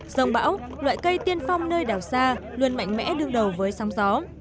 dòng bão loại cây tiên phong nơi đảo xa luôn mạnh mẽ đương đầu với sóng gió